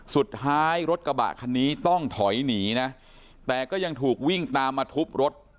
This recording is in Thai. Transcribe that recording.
รถกระบะคันนี้ต้องถอยหนีนะแต่ก็ยังถูกวิ่งตามมาทุบรถ